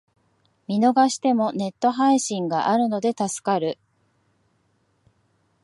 見逃してもネット配信があるので助かる